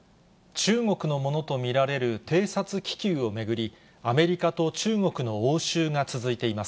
中国のものと見られる偵察気球を巡り、アメリカと中国の応酬が続いています。